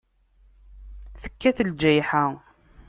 Tekkat lǧayḥa.